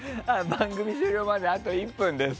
番組終了まであと１分です。